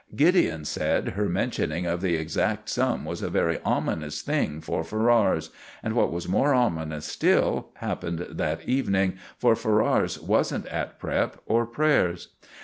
Gideon said her mentioning of the exact sum was a very ominous thing for Ferrars. And what was more ominous still happened that evening, for Ferrars wasn't at prep. or prayers.